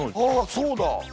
そうだ